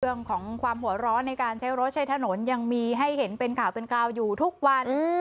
เรื่องของความหัวร้อนในการใช้รถใช้ถนนยังมีให้เห็นเป็นข่าวเป็นคราวอยู่ทุกวัน